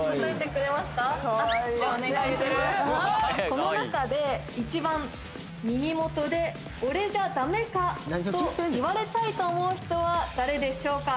この中で１番耳元で「俺じゃダメか？」と言われたいと思う人は誰でしょうか？